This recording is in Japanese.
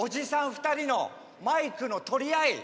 ２人のマイクの取り合い。